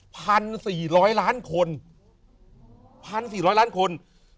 พันสี่ร้อยล้านคนพันสี่ร้อยล้านคน